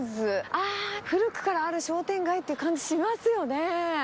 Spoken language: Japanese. あー、古くからある商店街って感じ、しますよね。